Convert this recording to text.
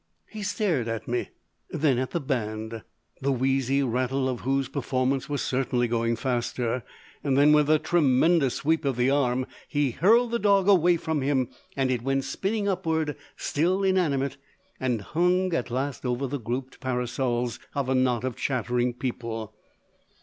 He stared at me. Then at the band, the wheezy rattle of whose performance was certainly going faster. Then with a tremendous sweep of the arm he hurled the dog away from him and it went spinning upward, still inanimate, and hung at last over the grouped parasols of a knot of chattering people.